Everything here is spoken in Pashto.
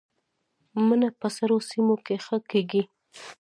مڼه په سړو سیمو کې ښه کیږي